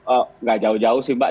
oh nggak jauh jauh sih mbak